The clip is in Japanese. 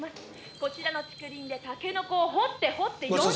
「こちらの竹林でタケノコを掘って掘って４０年！」